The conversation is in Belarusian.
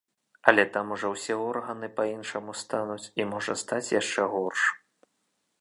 Але там ужо ўсе органы па-іншаму стануць і можа стаць яшчэ горш.